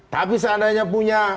tapi seandainya punya